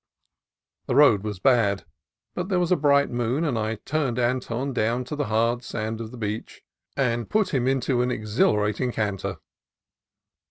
The road was bad, but there was a bright moon, and I turned Anton down to the hard sand of the beach and put him into an exhilarating canter.